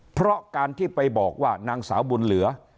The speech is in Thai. เพราะการที่ไปบอกว่านางสาวบุญเหลือ